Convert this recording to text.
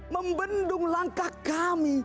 membendung langkah kami